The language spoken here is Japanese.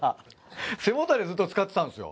背もたれずっと使ってたんですよ。